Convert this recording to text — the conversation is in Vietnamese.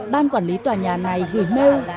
ban quản lý tòa nhà này gửi mail